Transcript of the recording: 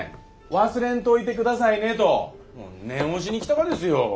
忘れんといてくださいねと念押しに来たがですよ。